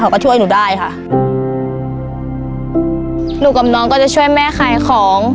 เขาก็ช่วยหนูได้ค่ะหนูกับน้องก็จะช่วยแม่ขายของ